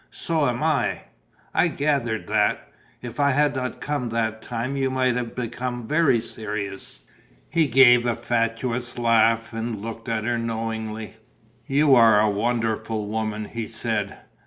"So am I." "I gathered that. If I had not come that time, you might have become very serious." He gave a fatuous laugh and looked at her knowingly: "You are a wonderful woman!" he said.